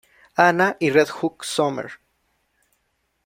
Anna" y "Red Hook Summer".